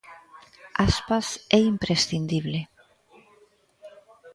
Aspas é imprescindible.